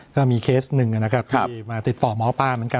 ก็มีเคสนึงที่มาติดต่อหมอปลาเหมือนกัน